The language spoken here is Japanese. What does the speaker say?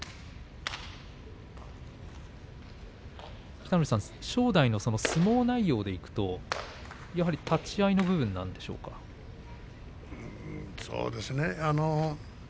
北の富士さん、正代の相撲内容でいくとやはり立ち合いのそうですね。